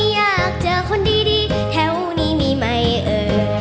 อยากเจอคนดีแถวนี้มีไหมเอ่ย